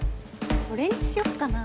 これにしよっかなぁ。